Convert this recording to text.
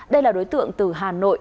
đây là đối tượng từ hà nội